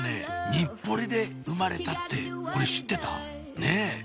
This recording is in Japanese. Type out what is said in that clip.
日暮里で生まれたってこれ知ってた？ねぇ